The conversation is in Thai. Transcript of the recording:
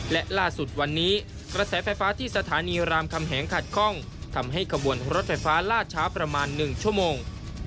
และล่าสุดวันนี้กระแสไฟฟ้าที่สถานีรามคำแหงขัดข้องทำให้ขบวนรถไฟฟ้าล่าช้าประมาณ๑ชั่วโมง